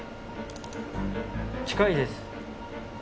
近いです